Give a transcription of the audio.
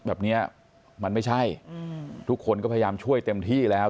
แบบนี้มันไม่ใช่ทุกคนก็พยายามช่วยเต็มที่แล้ว